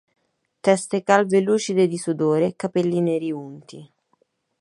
Teste calve lucide di sudore, capelli neri unti.